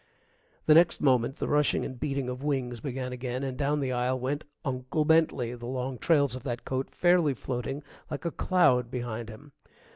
The next moment the rushing and beating of wings began again, and down the aisle went Uncle Bentley, the long tails of that coat fairly floating like a cloud behind him.